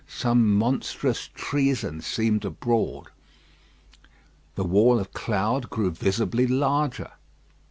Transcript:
Some monstrous treason seemed abroad. The wall of cloud grew visibly larger.